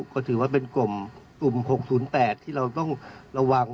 ก็ถือว่าเป็นกลุ่ม๖๐๘ที่เราต้องระวัง